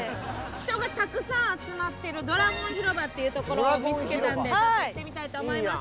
人がたくさん集まってるドラゴン広場という所を見つけたんでちょっと行ってみたいと思います。